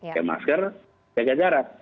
pakai masker jaga jarak